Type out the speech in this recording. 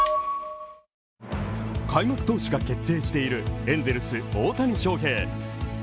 開幕投手が決定しているエンゼルス・大谷翔平。